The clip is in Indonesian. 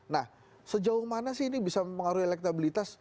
nah sejauh mana sih ini bisa mempengaruhi elektabilitas